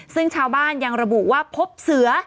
ซึ่งชาวบ้านยังระบุว่าพบเสือ